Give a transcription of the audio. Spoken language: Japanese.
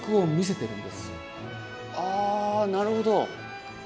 あなるほど。